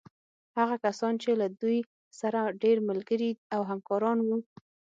هغه کسان چې له دوی سره ډېر ملګري او همکاران وو.